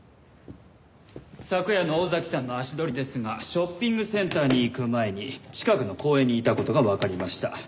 昨夜の尾崎さんの足取りですがショッピングセンターに行く前に近くの公園にいた事がわかりました。